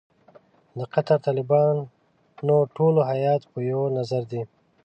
د قطر د طالبانو ټول هیات په یوه نظر دی.